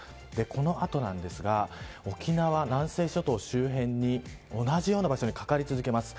この後、沖縄南西諸島周辺で同じような場所にかかり続けます。